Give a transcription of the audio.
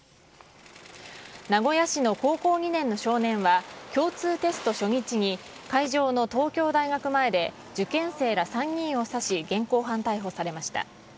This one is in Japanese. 名古屋市の高校２年の少年は、共通テスト初日に、会場の東京大学前で、受験生ら３人を刺し、現行犯逮捕されました。